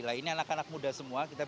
nah ini anak anak muda semua